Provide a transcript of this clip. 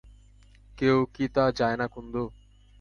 কেউ কি তা যায় না কুন্দ?